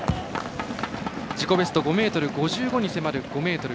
自己ベスト５ｍ５５に迫る５ｍ５０。